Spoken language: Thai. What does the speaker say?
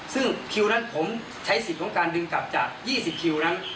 ซึ่งคิวนั้นผมใช้สิทธิ์ของการดึงกลับจาก๒๐คิวนั้น